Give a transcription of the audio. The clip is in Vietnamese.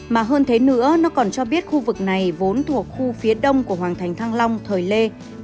mà hơn thế nữa nó còn cho biết khu vực này vốn thuộc khu phía đông của hoàng thành thăng long thời lê